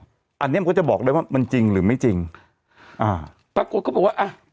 อันนี้มันก็จะบอกได้ว่ามันจริงหรือไม่จริงอ่าปรากฏเขาบอกว่าอ่ะ